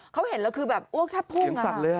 เขาเห็นแล้วคือแบบอ้วกทับพุ่งสีเหงสักเลย